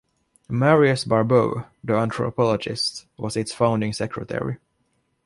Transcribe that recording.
Marius Barbeau, the anthropologist, was its founding Secretary.